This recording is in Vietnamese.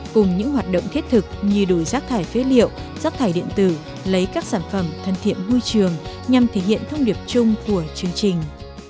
cùng những hoạt động thiết thực như đổi rác thải phế liệu rác thải điện tử lấy các sản phẩm thân thiện môi trường nhằm thể hiện thông điệp chung của chương trình